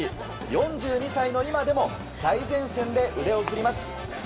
４２歳の今でも最前線で腕を振ります。